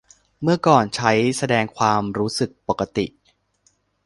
เมื่อก่อนใช้แสดงความรู้สึกปกติ